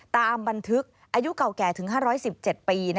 ตามบันทึกอายุเก่าแก่ถึง๕๑๗ปี